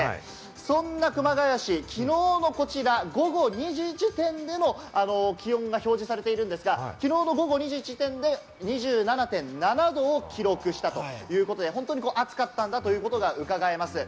そんな熊谷市、昨日、こちら午後２時時点での気温が表示されているんですが、きのうの午後２時時点で２７．７度を記録したということで、本当に暑かったんだということがうかがえます。